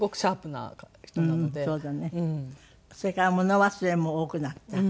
それから物忘れも多くなった。